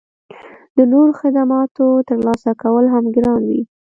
د نورو خدماتو ترلاسه کول هم ګران وي